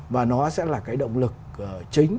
và nó sẽ là cái động lực chính